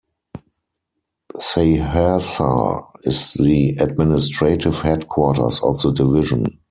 Saharsa is the administrative headquarters of the division.